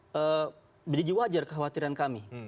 menurut saya menjadi wajar kekhawatiran kami